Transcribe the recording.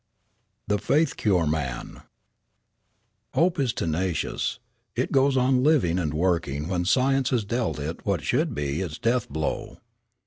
THE FAITH CURE MAN Hope is tenacious. It goes on living and working when science has dealt it what should be its deathblow.